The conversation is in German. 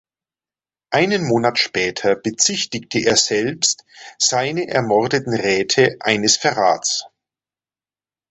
Einen Monat später bezichtigte er selbst seine ermordeten Räte eines Verrats.